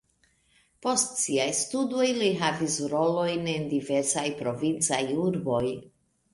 Post siaj studoj li havis rolojn en diversaj provincaj urboj.